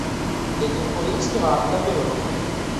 لیکن پولیس کے ہاتھ لمبے ہوتے ہیں۔